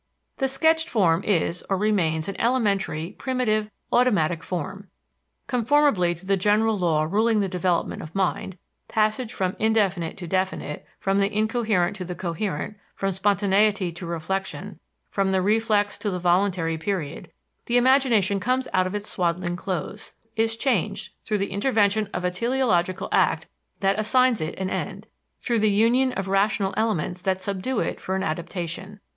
The "sketched" form is or remains an elementary, primitive, automatic form. Conformably to the general law ruling the development of mind passage from indefinite to definite, from the incoherent to the coherent, from spontaneity to reflection, from the reflex to the voluntary period the imagination comes out of its swaddling clothes, is changed through the intervention of a teleological act that assigns it an end; through the union of rational elements that subdue it for an adaptation.